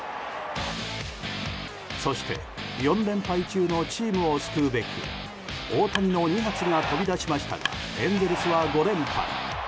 そして４連敗中のチームを救うべく大谷の２発が飛び出しましたがエンゼルスは５連敗。